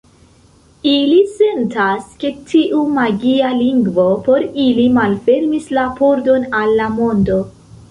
Ili sentas, ke tiu magia lingvo por ili malfermis la pordon al la mondo.